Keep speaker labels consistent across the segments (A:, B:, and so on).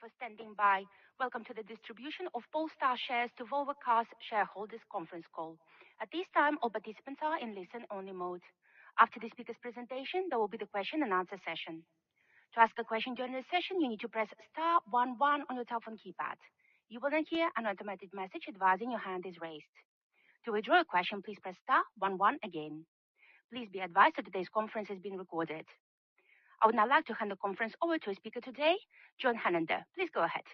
A: Thank you for standing by. Welcome to the distribution of Polestar shares to Volvo Cars shareholders conference call. At this time, all participants are in listen-only mode. After the speaker's presentation, there will be the question and answer session. To ask a question during the session, you need to press star one one on your telephone keypad. You will then hear an automated message advising your hand is raised. To withdraw a question, please press star one one again. Please be advised that today's conference is being recorded. I would now like to hand the conference over to our speaker today, John Hernander. Please go ahead.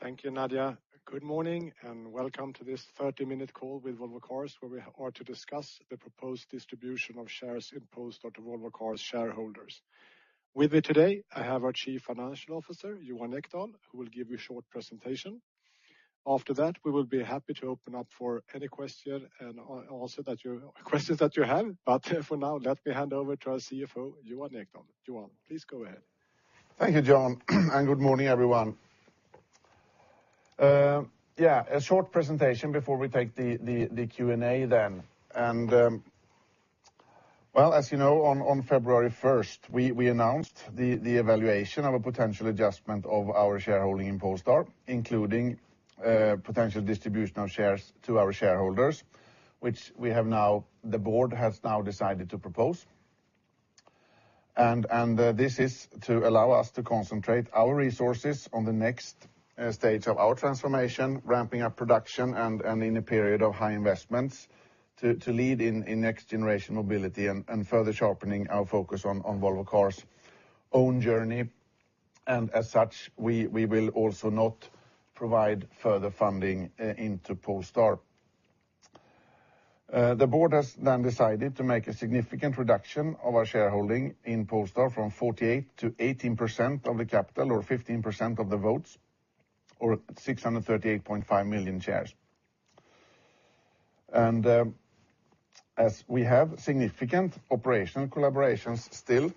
B: Thank you, Nadia. Good morning, and welcome to this 30-minute call with Volvo Cars, where we are to discuss the proposed distribution of shares in Polestar to Volvo Cars shareholders. With me today, I have our Chief Financial Officer, Johan Ekdahl, who will give you a short presentation. After that, we will be happy to open up for any questions and answer the questions that you have. But for now, let me hand over to our CFO, Johan Ekdahl. Johan, please go ahead.
C: Thank you, John, and good morning, everyone. Yeah, a short presentation before we take the Q&A then. Well, as you know, on February first, we announced the evaluation of a potential adjustment of our shareholding in Polestar, including potential distribution of shares to our shareholders, which we have now—the board has now decided to propose. This is to allow us to concentrate our resources on the next stage of our transformation, ramping up production and, in a period of high investments, to lead in next-generation mobility and further sharpening our focus on Volvo Cars' own journey. And as such, we will also not provide further funding into Polestar. The board has then decided to make a significant reduction of our shareholding in Polestar from 48%-18% of the capital, or 15% of the votes, or 638.5 million shares. And, as we have significant operational collaborations still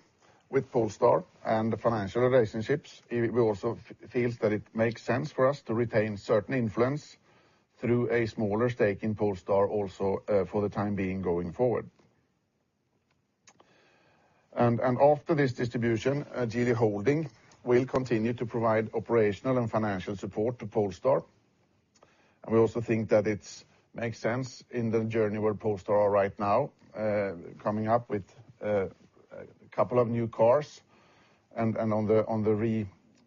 C: with Polestar and the financial relationships, we also feel that it makes sense for us to retain certain influence through a smaller stake in Polestar also, for the time being going forward. And, after this distribution, Geely Holding will continue to provide operational and financial support to Polestar. And we also think that it's makes sense in the journey where Polestar are right now, coming up with a couple of new cars and on the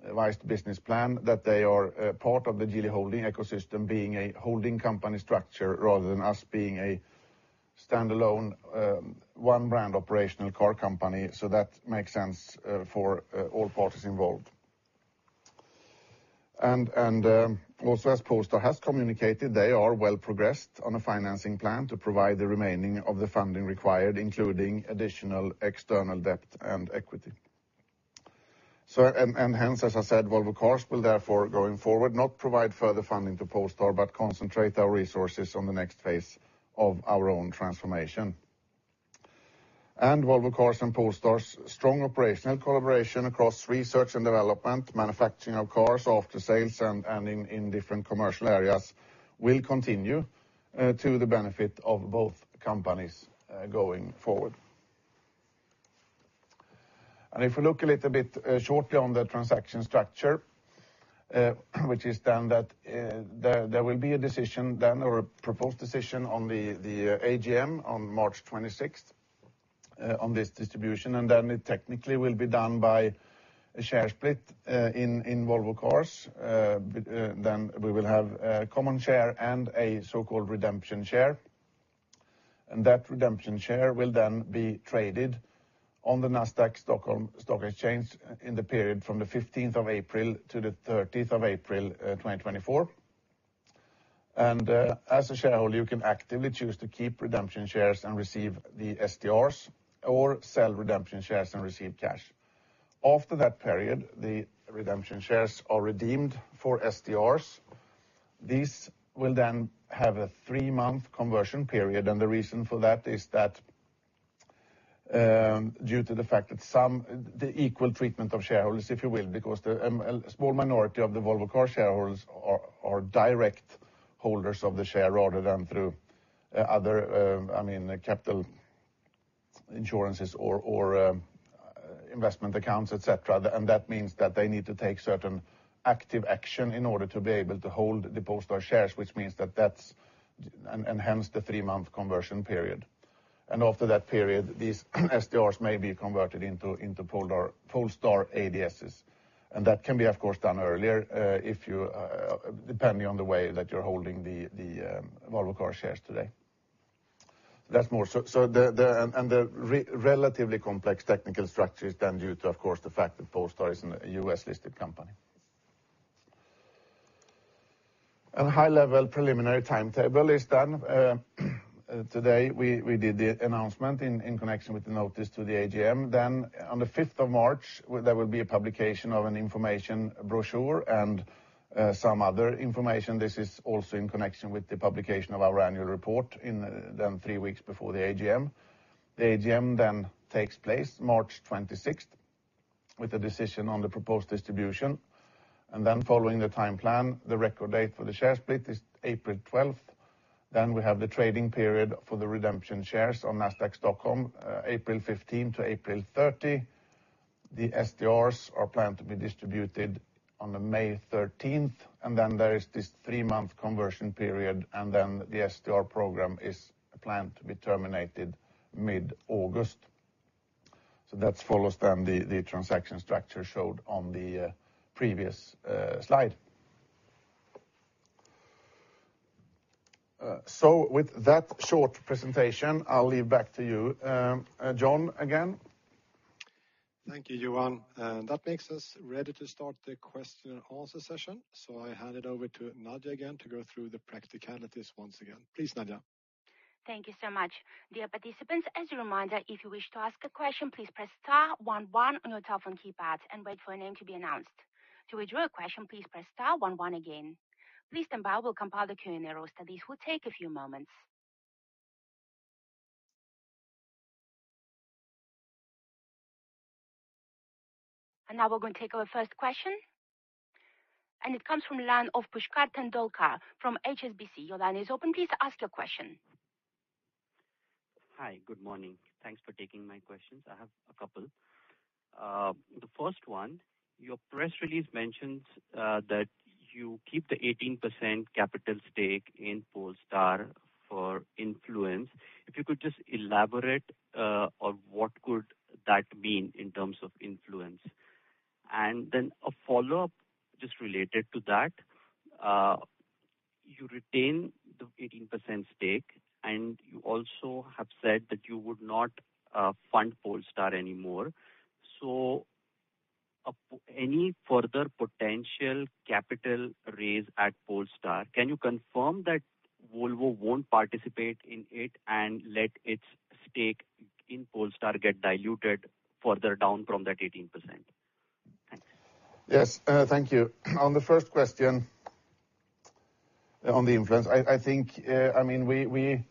C: revised business plan, that they are part of the Geely Holding ecosystem, being a holding company structure, rather than us being a standalone one-brand operational car company. So that makes sense for all parties involved. And also, as Polestar has communicated, they are well progressed on a financing plan to provide the remaining of the funding required, including additional external debt and equity. So, and hence, as I said, Volvo Cars will therefore, going forward, not provide further funding to Polestar, but concentrate our resources on the next phase of our own transformation. Volvo Cars and Polestar's strong operational collaboration across research and development, manufacturing of cars, after sales, and in different commercial areas, will continue to the benefit of both companies going forward. If we look a little bit shortly on the transaction structure, which is then that, there will be a decision then or a proposed decision on the AGM on March twenty-sixth on this distribution, and then it technically will be done by a share split in Volvo Cars. Then we will have a common share and a so-called redemption share, and that redemption share will then be traded on the Nasdaq Stockholm stock exchange in the period from the fifteenth of April to the thirtieth of April 2024. As a shareholder, you can actively choose to keep Redemption Shares and receive the SDRs or sell Redemption Shares and receive cash. After that period, the Redemption Shares are redeemed for SDRs. These will then have a three-month conversion period, and the reason for that is that, due to the fact that some. The equal treatment of shareholders, if you will, because the, a small minority of the Volvo Cars shareholders are direct holders of the share rather than through other, I mean, capital insurances or investment accounts, et cetera. And that means that they need to take certain active action in order to be able to hold the Polestar shares, which means that that's. And hence, the three-month conversion period. And after that period, these SDRs may be converted into Polestar ADSs. That can be, of course, done earlier, if you, depending on the way that you're holding the Volvo Cars shares today. That's more. So, the relatively complex technical structure is then due to, of course, the fact that Polestar is a U.S.-listed company. And high-level preliminary timetable is then, today, we did the announcement in connection with the notice to the AGM. Then on the fifth of March, there will be a publication of an information brochure and some other information. This is also in connection with the publication of our annual report in then three weeks before the AGM. The AGM then takes place March twenty-sixth, with a decision on the proposed distribution. And then following the time plan, the record date for the share split is April twelfth. Then we have the trading period for the redemption shares on Nasdaq Stockholm, April 15 to April 30. The SDRs are planned to be distributed on May 13th, and then there is this three-month conversion period, and then the SDR program is planned to be terminated mid-August. So that follows then the transaction structure showed on the previous slide. So with that short presentation, I'll leave back to you, John, again.
B: Thank you, Johan. That makes us ready to start the question and answer session. I hand it over to Nadia again to go through the practicalities once again. Please, Nadia.
A: Thank you so much. Dear participants, as a reminder, if you wish to ask a question, please press star one one on your telephone keypad and wait for your name to be announced. To withdraw a question, please press star one one again. Please stand by, we'll compile the Q&A roster. This will take a few moments. Now we're going to take our first question. It comes from the line of Pushkar Tondwalkar from HSBC. Your line is open. Please ask your question.
D: Hi, good morning. Thanks for taking my questions. I have a couple. The first one, your press release mentions that you keep the 18% capital stake in Polestar for influence. If you could just elaborate on what could that mean in terms of influence? And then a follow-up just related to that. You retain the 18% stake, and you also have said that you would not fund Polestar anymore. So any further potential capital raise at Polestar, can you confirm that Volvo won't participate in it and let its stake in Polestar get diluted further down from that 18%? Thanks.
C: Yes, thank you. On the first question, on the influence, I think, I mean, we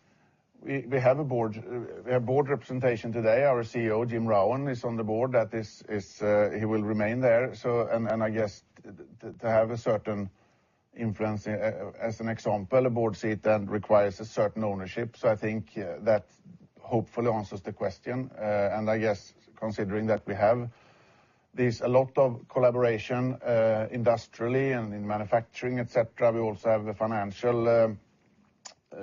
C: have a board, we have board representation today. Our CEO, Jim Rowan, is on the board. That is, he will remain there. So, and I guess to have a certain influence, as an example, a board seat then requires a certain ownership. So I think that hopefully answers the question. And I guess considering that we have there's a lot of collaboration, industrially and in manufacturing, et cetera. We also have the financial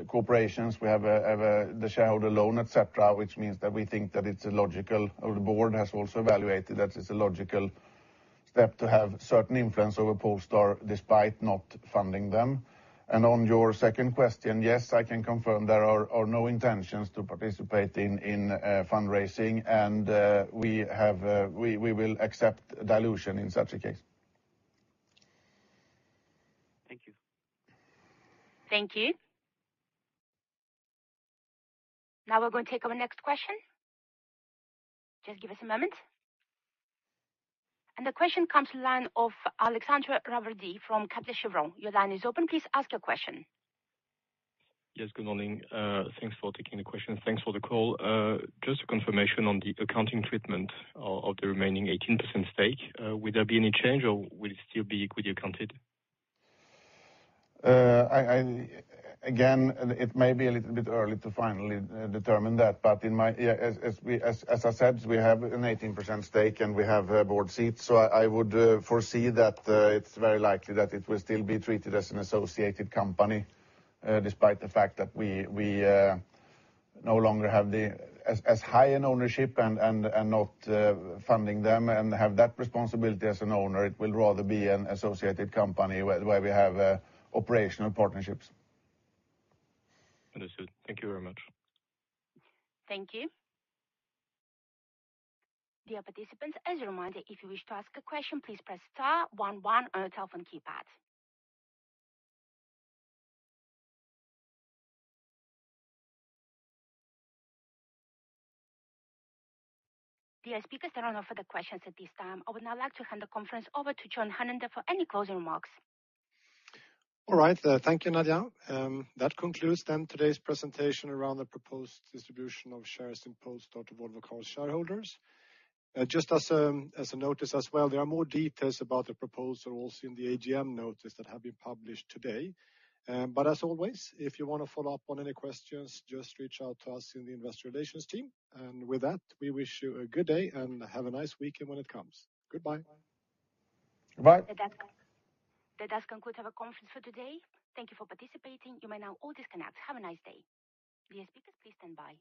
C: corporations. We have the shareholder loan, et cetera, which means that we think that it's a logical, or the board has also evaluated that it's a logical step to have certain influence over Polestar, despite not funding them. On your second question, yes, I can confirm there are no intentions to participate in fundraising. We will accept dilution in such a case.
D: Thank you.
A: Thank you. Now we're going to take our next question. Just give us a moment. The question comes to line of Alexandre Raverdy from Kepler Cheuvreux. Your line is open. Please ask your question.
E: Yes, good morning. Thanks for taking the question. Thanks for the call. Just a confirmation on the accounting treatment of the remaining 18% stake. Will there be any change, or will it still be equity accounted?
C: Again, it may be a little bit early to finally determine that, but in my, yeah, as we, as I said, we have an 18% stake, and we have a board seat, so I would foresee that it's very likely that it will still be treated as an associated company, despite the fact that we no longer have the as high an ownership and not funding them and have that responsibility as an owner. It will rather be an associated company where we have operational partnerships.
E: Understood. Thank you very much.
A: Thank you. Dear participants, as a reminder, if you wish to ask a question, please press star one one on your telephone keypad. Dear speakers, there are no further questions at this time. I would now like to hand the conference over to John Hernander for any closing remarks.
B: All right. Thank you, Nadia. That concludes then today's presentation around the proposed distribution of shares in Polestar to Volvo Car shareholders. Just as, as a notice as well, there are more details about the proposal also in the AGM notice that have been published today. But as always, if you want to follow up on any questions, just reach out to us in the investor relations team. And with that, we wish you a good day, and have a nice weekend when it comes. Goodbye.
C: Bye.
A: That does, that does conclude our conference for today. Thank you for participating. You may now all disconnect. Have a nice day. The speakers, please stand by.